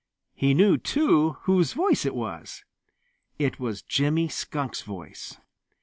He knew, too, whose voice it was. It was Jimmy Skunk's voice.